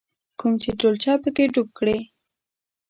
کوم چې ډولچه په کې ډوب کړې.